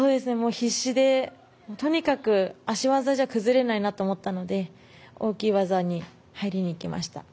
必死でとにかく足技じゃ崩れないなと思ったので大きい技に入りにいきました。